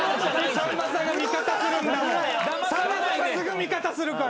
さんまさんすぐ味方するから。